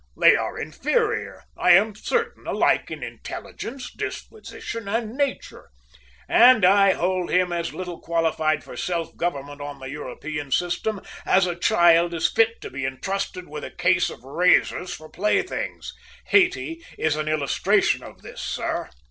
They are inferior, I am certain, alike in intelligence, disposition and nature, and I hold him as little qualified for self government on the European system as a child is fit to be entrusted with a case of razors for playthings. Hayti is an illustration of this, sir!"